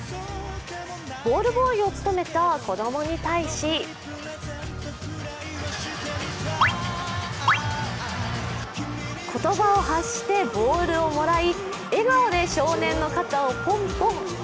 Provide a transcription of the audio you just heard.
ボールボーイを務めた子供に対し言葉を発してボールをもらい、笑顔で少年の肩をぽんぽん。